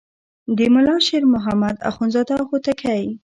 د ملا شیر محمد اخوندزاده هوتکی.